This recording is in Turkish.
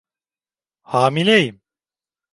Hamileyim.